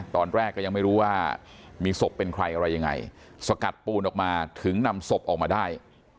ตอนแรกก็ยังไม่รู้ว่ามีศพเป็นใครอะไรยังไงสกัดปูนออกมาถึงนำศพออกมาได้